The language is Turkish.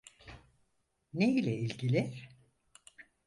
Ne ile ilgili?